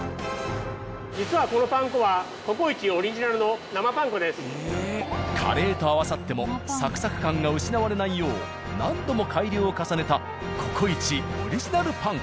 実はこのパン粉はカレーと合わさってもサクサク感が失われないよう何度も改良を重ねた「ココイチ」オリジナルパン粉。